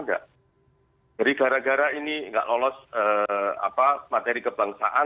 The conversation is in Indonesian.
jadi gara gara ini nggak lolos materi kebangsaan